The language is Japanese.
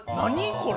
これ。